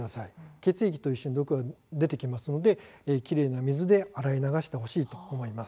血液と一緒に毒が出てきますのできれいな水で洗い流してほしいと思います。